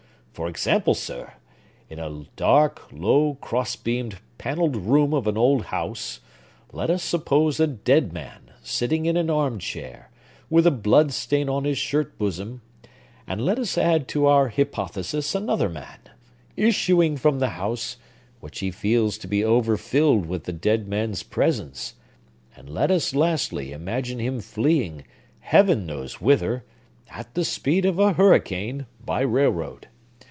For example, sir, in a dark, low, cross beamed, panelled room of an old house, let us suppose a dead man, sitting in an arm chair, with a blood stain on his shirt bosom,—and let us add to our hypothesis another man, issuing from the house, which he feels to be over filled with the dead man's presence,—and let us lastly imagine him fleeing, Heaven knows whither, at the speed of a hurricane, by railroad!